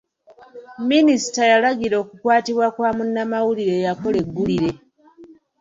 Minisita yalagira okukwatibwa kwa munnamawulire eyakola eggulire.